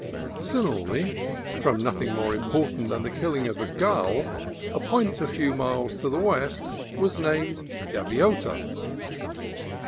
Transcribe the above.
Similarly, from nothing more important than the killing of a gull, a point a few miles to the west was named Gaviota.